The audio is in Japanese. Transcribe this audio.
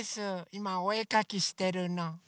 いまおえかきしてるの。